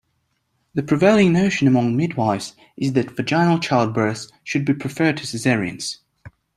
The prevailing notion among midwifes is that vaginal childbirths should be preferred to cesareans.